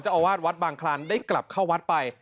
อาวาสวัดบางคลานได้กลับเข้าวัดไป